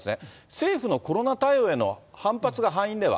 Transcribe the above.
政府のコロナ対応への反発が敗因では？